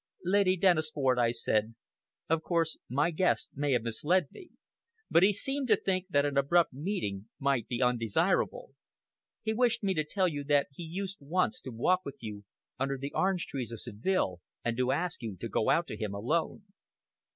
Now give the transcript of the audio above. "Lady Dennisford," I said, "of course, my guest may have misled me; but he seemed to think that an abrupt meeting might be undesirable. He wished me to tell you that he used once to walk with you under the orange trees of Seville, and to ask you to go out to him alone!"